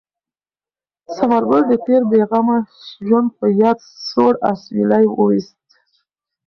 ثمر ګل د تېر بې غمه ژوند په یاد سوړ اسویلی ویوست.